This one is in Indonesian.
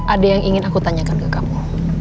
ada yang ingin aku tanyakan ke kamu